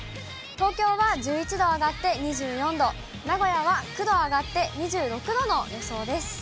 東京は１１度上がって、２４度、名古屋は９度上がって２６度の予想です。